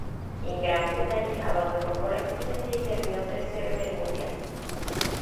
En Gran Bretaña abandonó por accidente y terminó tercero en el mundial.